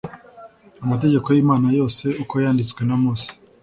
Amategeko y’Imana yose uko yanditswe na Mose.